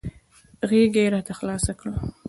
غېږه یې راته خلاصه کړه .